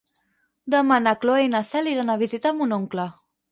Demà na Cloè i na Cel iran a visitar mon oncle.